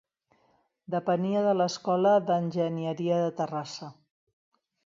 Depenia de l"Escola d"Enginyeria de Terrassa.